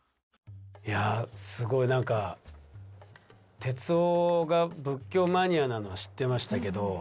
いやすごい何か哲夫が仏教マニアなのは知ってましたけど。